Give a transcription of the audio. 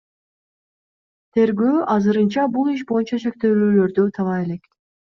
Тергөө азырынча бул иш боюнча шектүүлөрдү таба элек.